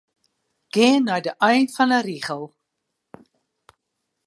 Gean nei de ein fan 'e rigel.